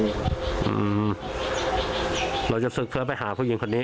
เราจะฝึกเพื่อไปหาผู้หญิงคนนี้